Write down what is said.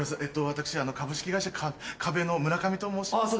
私株式会社壁の村上と申します。